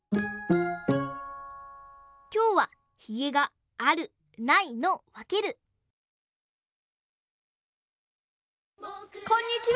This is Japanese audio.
きょうはヒゲがあるないのわけるこんにちは！